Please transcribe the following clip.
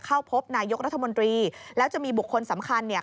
เข้าพบนายกรัฐมนตรีแล้วจะมีบุคคลสำคัญเนี่ย